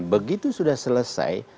begitu sudah selesai